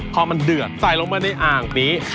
ความมันเดือดใส่ลงไปในอ่างริมี้